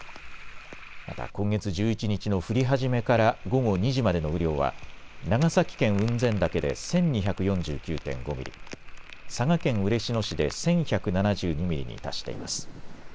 また今月１１日の降り始めから午後２時までの雨量は長崎県雲仙岳で１２４９．５ミリ、佐賀県嬉野市で１１７２ミリに達しています。